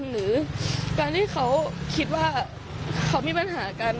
หรือการที่เขาคิดว่าเขามีปัญหากัน